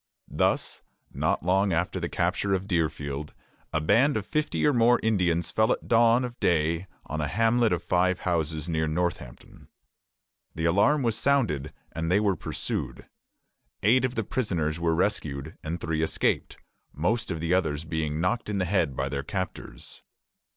Thus, not long after the capture of Deerfield, a band of fifty or more Indians fell at dawn of day on a hamlet of five houses near Northampton. The alarm was sounded, and they were pursued. Eight of the prisoners were rescued, and three escaped; most of the others being knocked in the head by their captors.